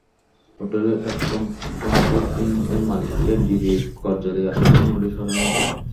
Hotel Comfort ইন-এর মালিককে DB কার্যালয়ে আসার জন্য নোটিশ পাঠানো হয়েছে।